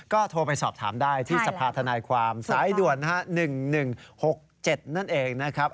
ก็โทรไปสอบถามได้ที่สภาธนายความสายด่วน๑๑๖๗นั่นเองนะครับ